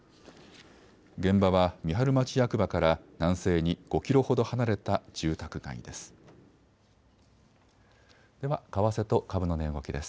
現場は三春町役場から南西に５キロほど離れた住宅街です。